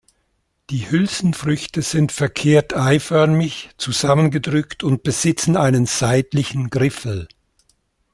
Die Hülsenfrüchte sind verkehrt-eiförmig, zusammengedrückt und besitzen einen seitlichen Griffel.